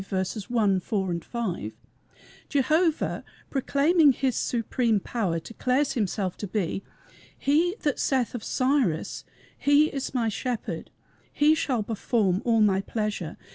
1, 4, 5) Jehovah, proclaiming his supreme power, declares himself to be He "That saith of Cyrus He is my shepherd, He shall perform all my pleasure.